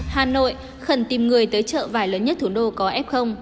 hà nội khẩn tìm người tới chợ vải lớn nhất thủ đô có f